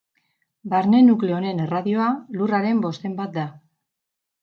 Barne nukleo honen erradioa lurraren bosten bat da.